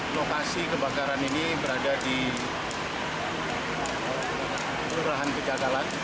informasi kebakaran ini berada di perurahan pejagalan